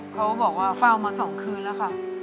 เขาบอกว่าเฝ้ามา๒คืนแล้วค่ะ